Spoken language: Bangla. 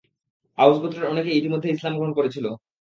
আউস গোত্রের অনেকেই ইতোমধ্যে ইসলাম গ্রহণ করেছিল।